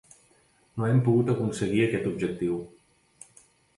No hem pogut aconseguir aquest objectiu.